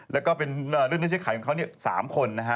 แล้วก็เป็นเลื่อนหน้าใช้ไขของเขาเนี่ย๓คนนะฮะ